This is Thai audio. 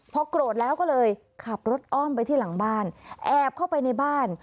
พอโกรธแล้วก็เลยขับรถอ้อมไปที่หลังบ้านแอบเข้าไปในบ้าน